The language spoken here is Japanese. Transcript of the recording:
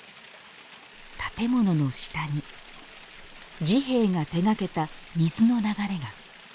建物の下に治兵衛が手がけた水の流れが。